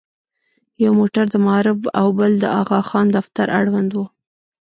یو موټر د معارف او بل د اغاخان دفتر اړوند و.